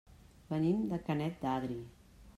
Venim de Canet d'Adri.